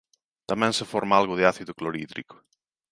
Tamén se forma algo de ácido clorhídrico.